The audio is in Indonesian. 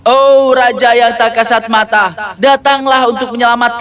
oh raja yang tak kesat mata datanglah untuk menyelamatkanku